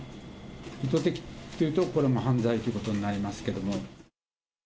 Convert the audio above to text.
意図的っていうと、これはもう犯罪ということになりますけども。